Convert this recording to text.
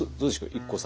ＩＫＫＯさん。